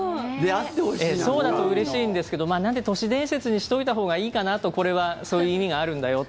そうだとうれしいんですけどなので都市伝説にしておいたほうがいいかなとこれはそういう意味があるんだよと。